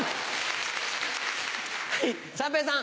はい三平さん。